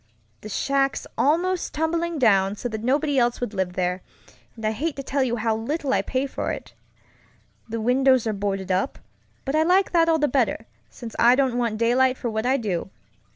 The shack's almost tumbling down, so that nobody else would live there, and I'd hate to tell you how little I pay for it. The windows are boarded up, but I like that all the better, since I don't want daylight for what I do.